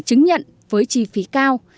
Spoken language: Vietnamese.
chứng nhận với chi phí cao